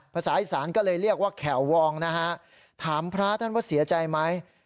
ภาษาอีสานก็เลยเรียกว่าแข่ววองนะฮะถามพระท่านว่าเสียใจไหม